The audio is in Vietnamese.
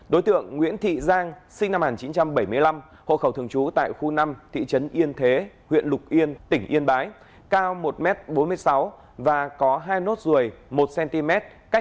đối tượng nguyễn thị giang sinh năm một nghìn chín trăm bảy mươi năm hộ khẩu thường trú tại khu năm thị trấn yên thế huyện lục yên tỉnh yên bái cao một m bốn mươi sáu và có hai nốt ruồi một cm cách một hai cm dưới mép trái